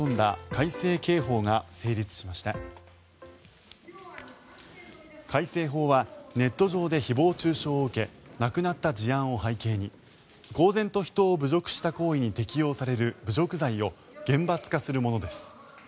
改正法はネット上で誹謗・中傷を受け亡くなった事案を背景に公然と人を侮辱した行為に適用される侮辱罪を厳罰化するものです。